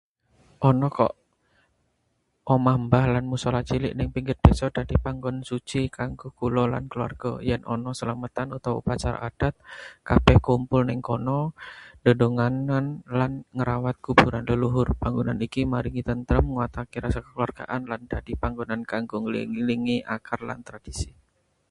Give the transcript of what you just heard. Ana, kok. Omah mbah lan musala cilik neng pinggir desa dadi panggonan suci kanggo kula lan keluarga. Yen ana slametan utawa upacara adat, kabeh kumpul neng kana, ndedonga lan ngrawat kuburan leluhur. Panggonan iki maringi tentrem, nguatake rasa kekeluargaan, lan dadi panggonan kanggo ngelingi akar lan tradisi.